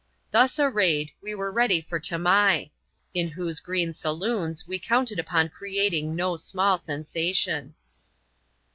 Thus arrayed, we were ready for Tamai; in whose green saloons, we counted upon creating no small sensation.